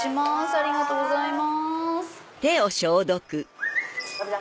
ありがとうございます。